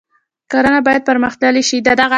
کرنه باید پرمختللې شي